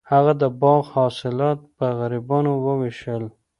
هغه د باغ حاصلات په غریبانو وویشل.